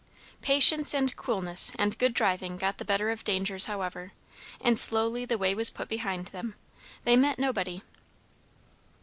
Patience and coolness and good driving got the better of dangers however, and slowly the way was put behind them. They met nobody.